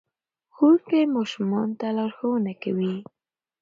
ښوونکی ماشومانو ته لارښوونه کوي.